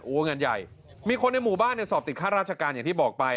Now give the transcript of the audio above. งานใหญ่มีคนในหมู่บ้านเนี่ยสอบติดค่าราชการอย่างที่บอกไป